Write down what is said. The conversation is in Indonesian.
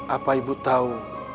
apa ibu tahu